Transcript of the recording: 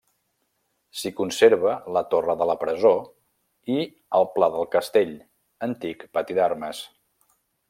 S'hi conserva la Torre de la Presó i el Pla del Castell, antic pati d'armes.